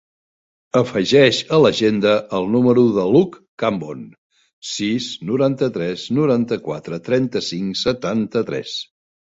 Afegeix a l'agenda el número de l'Hug Cambon: sis, noranta-tres, noranta-quatre, trenta-cinc, setanta-tres.